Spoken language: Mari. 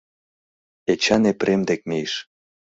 Эчан Епрем дек мийыш.